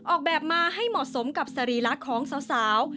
ออกแบบมาให้เหมาะสมกับสรีระของสาว